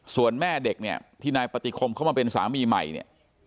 ส่วนแม่เด็กเนี่ยที่นายปฏิคมเข้ามาเป็นสามีใหม่เนี่ย